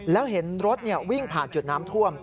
แล้วเห็นรถวิ่งผ่านจุดน้ำท่วม